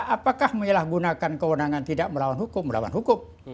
apakah menyelahgunakan keundangan tidak melawan hukum melawan hukum